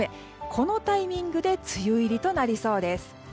このタイミングで梅雨入りとなりそうです。